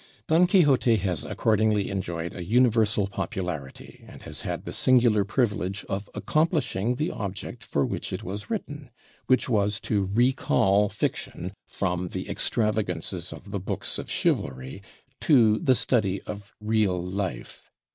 'Don Quixote' has accordingly enjoyed a universal popularity, and has had the singular privilege of accomplishing the object for which it was written, which was to recall fiction from the extravagances of the books of chivalry to the study of real life.